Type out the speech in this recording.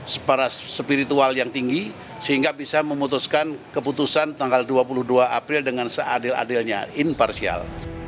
spiritual yang tinggi sehingga bisa memutuskan keputusan tanggal dua puluh dua april dengan seadil adilnya imparsial